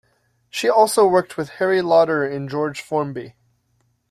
She also worked with Harry Lauder and George Formby.